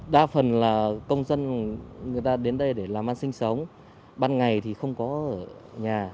đa phần là công dân người ta đến đây để làm ăn sinh sống ban ngày thì không có ở nhà